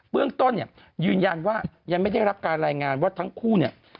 เรื่องต้นเนี่ยยืนยันว่ายังไม่ได้รับการรายงานว่าทั้งคู่เนี่ย